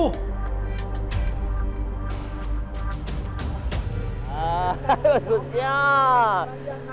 ฮ่าฮ่าสุดยอด